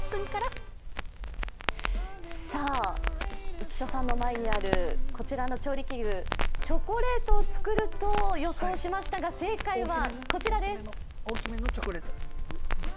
浮所さんの前にあるこちらの調理器具チョコレートを作ると予想しましたが、正解はこちらです。